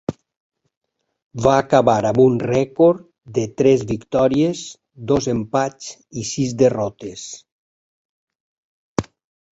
Va acabar amb un rècord de tres victòries, dos empats i sis derrotes.